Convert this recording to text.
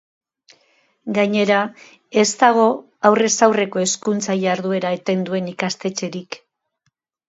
Gainera, ez dago aurrez aurreko hezkuntza-jarduera eten duen ikastetxerik.